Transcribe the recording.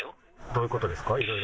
どういうことですか？